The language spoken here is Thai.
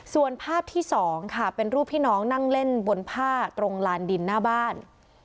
ส่วนภาพที่๒ค่ะเป็นรูปพี่น้องนั่งเล่นบนผ้าตรงลานดินหน้าบ้าน